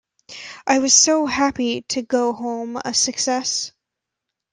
I was so happy to go home a success.